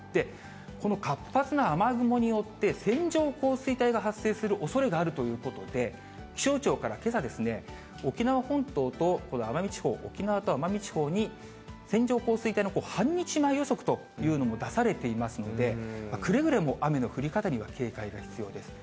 この活発な雨雲によって、線状降水帯が発生するおそれがあるということで、気象庁からけさですね、沖縄本島と、この奄美地方、沖縄と奄美地方に線状降水帯の半日前予測というのも出されていますので、くれぐれも雨の降り方には警戒が必要です。